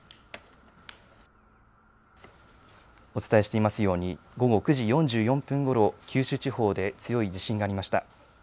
お伝えしていますように、午後９時４４分ごろ、九州地方で強い地震がありました。